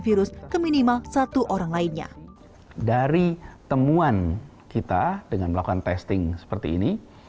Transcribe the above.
virus ke minimal satu orang lainnya dari temuan kita dengan melakukan testing seperti ini